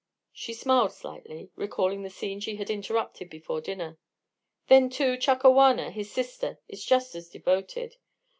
She smiled slightly, recalling the scene she had interrupted before dinner. "Then, too, Chakawana, his sister, is just as devoted.